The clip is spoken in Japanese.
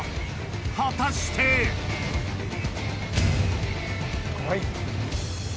果たして⁉こい。